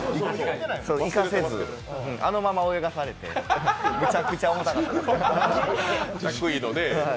生かせず、あのまま泳がされて、むちゃくちゃ重たかったです。